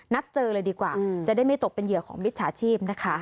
นัดเจอเลยดีกว่าจะได้ไม่ตกเป็นเหยื่อของมิจฉาชีพนะคะ